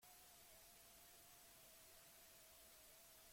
Baina horrek ez ditu kontsolatzen.